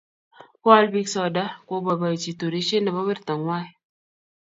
Ko all biik soda kobooboichi turishe ne bo werto ngwang.